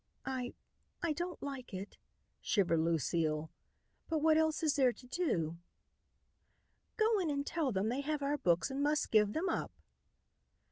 "I I don't like it," shivered Lucile, "but what else is there to do?" "Go in and tell them they have our books and must give them up."